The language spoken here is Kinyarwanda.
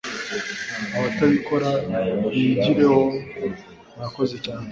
abatabikora bigireho morakoze cyane.